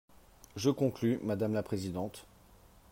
Je conclus, madame la présidente.